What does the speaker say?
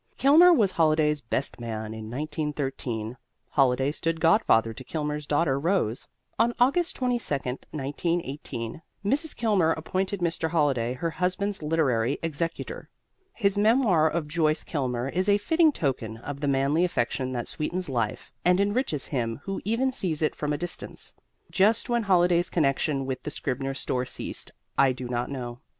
Kilmer was Holliday's best man in 1913; Holliday stood godfather to Kilmer's daughter Rose. On Aug. 22, 1918, Mrs. Kilmer appointed Mr. Holliday her husband's literary executor. His memoir of Joyce Kilmer is a fitting token of the manly affection that sweetens life and enriches him who even sees it from a distance. Just when Holliday's connection with the Scribner store ceased I do not know.